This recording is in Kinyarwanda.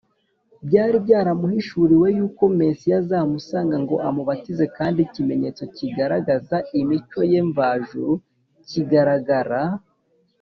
. Byari byaramuhishuriwe yuko Mesiya azamusanga ngo amubatize, kandi ko ikimenyetso kigaragaza imico ye mvajuru kizagaragara